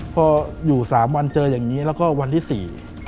พออยู่สามวันเจออย่างนี้แล้วก็วันที่สี่